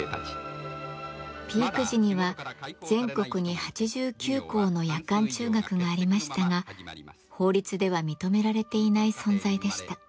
ピーク時には全国に８９校の夜間中学がありましたが法律では認められていない存在でした。